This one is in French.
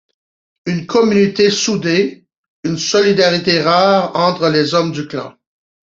Une communauté soudée... une solidarité rare entre les hommes du clan.